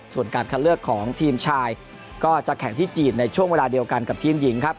ส่วนการคัดเลือกของทีมชายก็จะแข่งที่จีนในช่วงเวลาเดียวกันกับทีมหญิงครับ